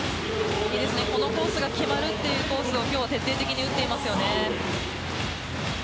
このコースが決まるというコースを今日は徹底的に打っていますよね。